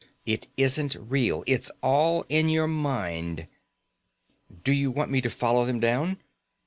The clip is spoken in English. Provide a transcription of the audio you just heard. It isn't real. It's all in your mind. "Do you want me to follow them down?"